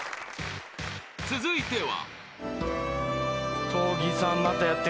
［続いては］